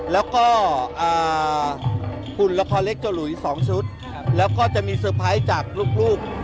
แล้วก็หุ่นละครเล็กเจ้าหลุย๒ชุดแล้วก็จะมีเซอร์ไพรส์จากลูก